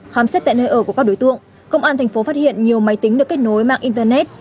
khám xét tại nơi ở của các đối tượng công an thành phố phát hiện nhiều máy tính được kết nối mạng internet